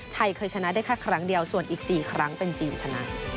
ไทยเคยชนะได้แค่ครั้งเดียวส่วนอีก๔ครั้งเป็นทีมชนะ